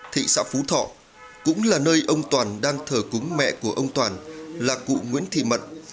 thị xã phú thọ cũng là nơi ông toàn đang thờ cúng mẹ của ông toàn là cụ nguyễn thị mận